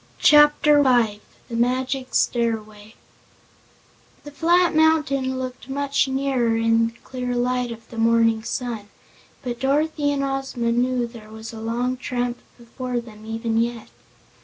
Chapter Five The Magic Stairway The flat mountain looked much nearer in the clear light of the morning sun, but Dorothy and Ozma knew there was a long tramp before them, even yet.